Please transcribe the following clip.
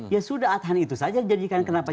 ya sudah adhan itu saja dijadikan kenapa